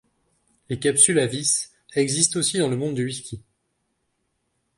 Les capsules à vis existent aussi dans le monde du whisky.